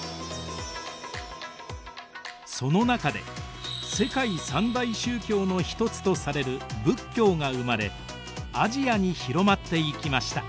その中で世界三大宗教の一つとされる仏教が生まれアジアに広まっていきました。